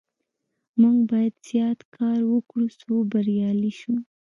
موږ باید زیات کار وکړو څو بریالي شو.